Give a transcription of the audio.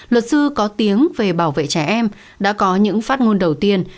luật sư có tiếng về bảo vệ trẻ em đã có những phát ngôn đầu tiên